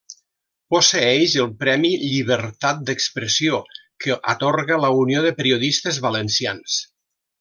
Posseeix el Premi Llibertat d'Expressió que atorga la Unió de Periodistes Valencians.